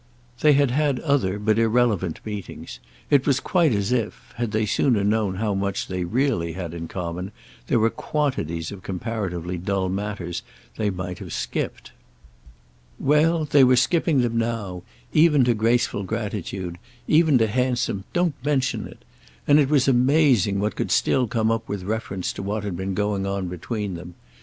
They had had other, but irrelevant, meetings; it was quite as if, had they sooner known how much they really had in common, there were quantities of comparatively dull matters they might have skipped. Well, they were skipping them now, even to graceful gratitude, even to handsome "Don't mention it!"—and it was amazing what could still come up without reference to what had been going on between them.